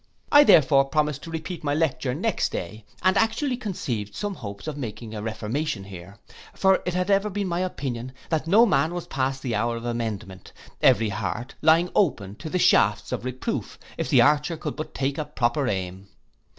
I therefore promised to repeat my lecture next day, and actually conceived some hopes of making a reformation here; for it had ever been my opinion, that no man was past the hour of amendment, every heart lying open to the shafts of reproof, if the archer could but take a proper aim.